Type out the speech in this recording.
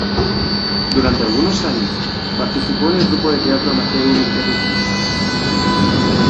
Durante algunos años participó en el grupo de teatro amateur "Interruptus.